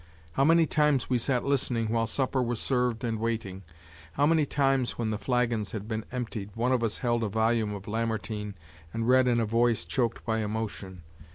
How many times we sat listening while supper was served and waiting! How many times, when the flagons had been emptied, one of us held a volume of Lamartine and read in a voice choked by emotion!